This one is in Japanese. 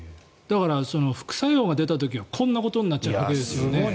だから副作用が出た時はこんなことになっちゃうわけですね。